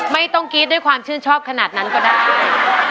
ไม่ต้องกรี๊ดด้วยความชื่นชอบขนาดนั้นก็ได้